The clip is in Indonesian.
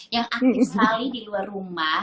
yang aktif sekali di luar rumah